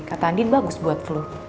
kata andin bagus buat flu